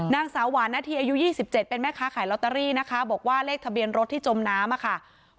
นางสาวหวานนาธีอายุ๒๗เป็นแม่ค้าขายลอตเตอรี่นะคะบอกว่าเลขทะเบียนรถที่จมน้ำค่ะ